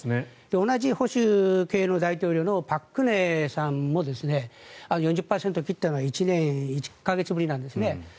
同じ保守系の大統領の朴槿惠さんも４０％を切ったのは１年１か月ぶりなんですね。